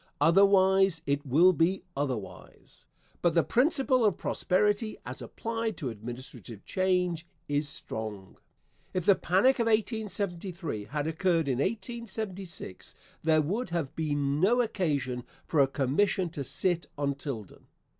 Otherwise it will be otherwise. But the principle of prosperity as applied to administrative change is strong. If the panic of 1873 had occurred in 1876 there would have been no occasion for a commission to sit on Tilden.